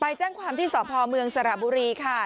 ไปแจ้งความที่สพเมืองสระบุรีค่ะ